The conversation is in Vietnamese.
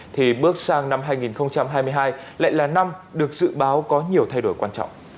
thì bước sang năm hai nghìn hai mươi hai lại là năm được dự báo có nhiều thay đổi quan trọng